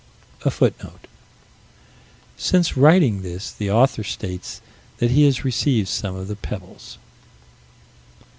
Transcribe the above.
A footnote: "Since writing this, the author states that he has received some of the pebbles."